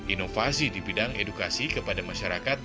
inovasi di bidang edukasi kepada masyarakat